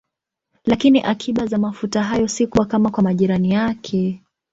Lakini akiba za mafuta hayo si kubwa kama kwa majirani yake.